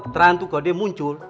terang tuh kalo dia muncul